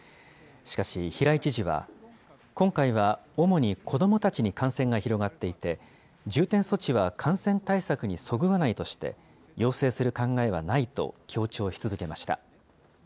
しかし、平井知事は、今回は主にこどもたちに感染が広がっていて、重点措置は感染対策にそぐわないとして、要請する考えはないと強調し続けました。